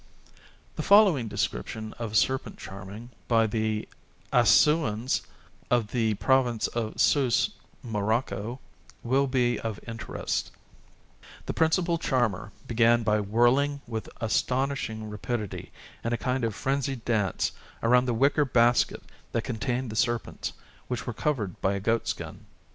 The following description of serpent charming by the Aissouans of the province of Sous, Morocco, will be of interest: "The principal charmer began by whirling with astonishing rapidity in a kind of frenzied dance around the wicker basket that contained the serpents, which were covered by a goatskin.